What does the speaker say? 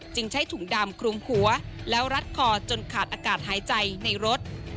ใช้ถุงดำคลุมหัวแล้วรัดคอจนขาดอากาศหายใจในรถ